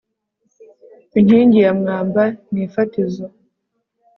inkingi ya mwamba ni ifatizo